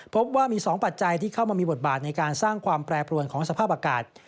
พบว่ามี๒ปัจจัยที่เข้ามามีบทบาทในการสร้างความแปรปรวนของสภาพอากาศ